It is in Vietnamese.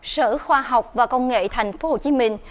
sở khoa học và công nghệ thành phố hồ chí minh